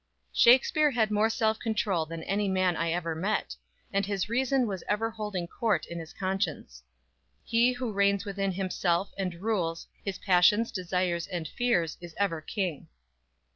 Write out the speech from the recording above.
Shakspere had more self control than any man I ever met, and his reason was ever holding court in his conscience. _He, who reigns within himself, and rules His passions, desires and fears, is ever King!